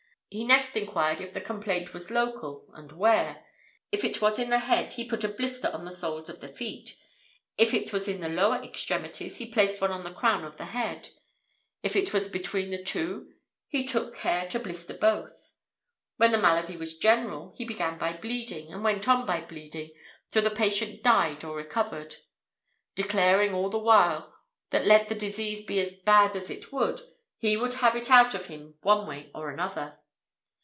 He next inquired if the complaint was local, and where? If it was in the head he put a blister on the soles of the feet; if it was in the lower extremities he placed one on the crown of the head; if it was between the two he took care to blister both. When the malady was general, he began by bleeding, and went on by bleeding, till the patient died or recovered; declaring all the while, that let the disease be as bad as it would, he would have it out of him one way or other.